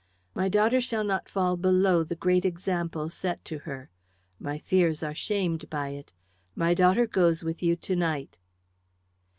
My daughter shall not fall below the great example set to her. My fears are shamed by it. My daughter goes with you to night."